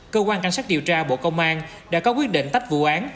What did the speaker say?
cơ quan cảnh sát điều tra bộ công an đã có quyết định tách vụ án